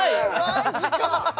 マジか！